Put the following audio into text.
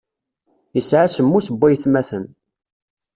Yesɛa semmus waytmaten.